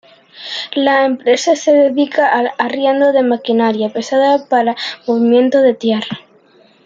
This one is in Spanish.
La empresa se dedica al arriendo de maquinaria pesada para movimiento de tierra.